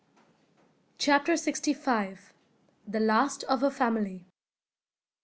CHAPTER SIXTY FIVE. THE LAST OF A FAMILY.